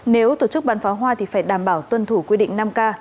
nếu tổ chức bắn pháo hoa thì phải đảm bảo tuân thủ quy định năm k